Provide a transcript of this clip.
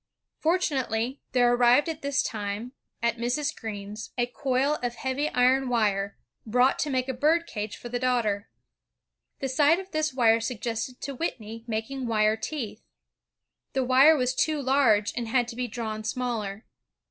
Fortu nately, there arrived at this time, at Mrs. Greene's, a coil of heavy iron wire, brought to make a bird cage for the daughter. The sight of this wire suggested to Whitney making wire teeth. The wire was too large and had to be drawn smaller.